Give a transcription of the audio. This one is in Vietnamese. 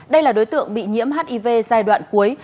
đây là đối tượng bị nhiễm hiv giai đoạn cuối